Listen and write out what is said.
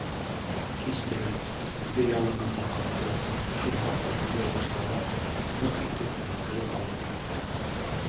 — Кисен үҙе янына саҡыртып шул хаҡта һөйләй башлағас, ныҡ итеп йүткереп алып китте.